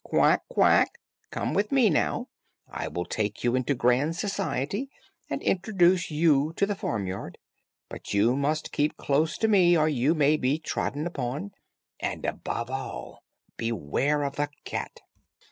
Quack, quack! come with me now, I will take you into grand society, and introduce you to the farmyard, but you must keep close to me or you may be trodden upon; and, above all, beware of the cat."